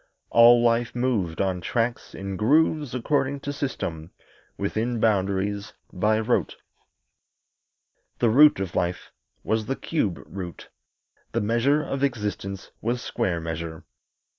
All life moved on tracks, in grooves, according to system, within boundaries, by rote. The root of life was the cube root; the measure of existence was square measure.